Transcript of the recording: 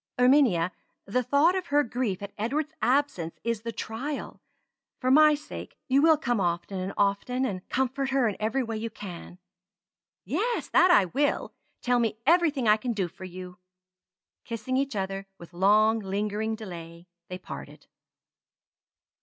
Erminia, the thought of her grief at Edward's absence is the trial; for my sake, you will come often and often, and comfort her in every way you can." "Yes! that I will; tell me everything I can do for you." Kissing each other, with long lingering delay they parted.